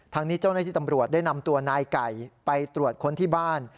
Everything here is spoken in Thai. ทางนี้เจ้าหน้าที่ตำรวจได้นำตัวนายไก่ไปตรวจค้นที่บ้าน